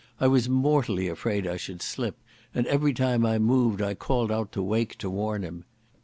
I was mortally afraid I should slip, and every time I moved I called out to Wake to warn him.